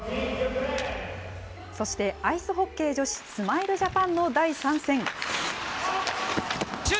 そしてアイスホッケー女子、スマイルジャパンの第３戦。